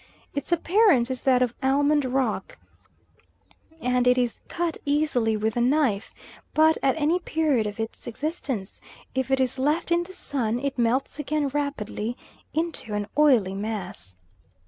Its appearance is that of almond rock, and it is cut easily with a knife; but at any period of its existence, if it is left in the sun it melts again rapidly into an oily mass.